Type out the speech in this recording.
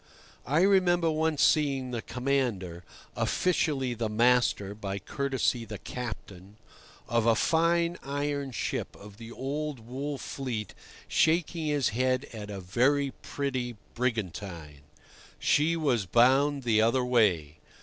I remember once seeing the commander—officially the master, by courtesy the captain—of a fine iron ship of the old wool fleet shaking his head at a very pretty brigantine. She was bound the other way.